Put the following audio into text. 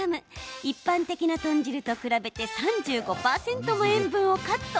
一般的な豚汁と比べて３５％も塩分をカット。